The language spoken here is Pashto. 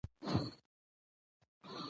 د ریګ دښتې جغرافیایي اهمیت لري.